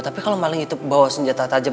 tapi kalau maling itu bawa senjata tajam